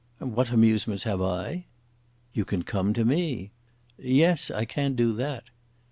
"What amusements have I?" "You can come to me." "Yes, I can do that."